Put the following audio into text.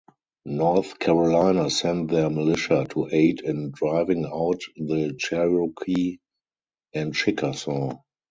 North Carolina sent their militia to aid in driving out the Cherokee and Chickasaw.